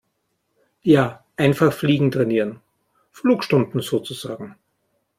Ja, einfach fliegen trainieren. Flugstunden sozusagen.